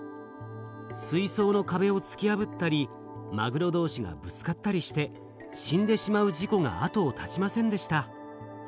水そうのかべをつきやぶったりマグロ同士がぶつかったりして死んでしまう事故が後をたちませんでした。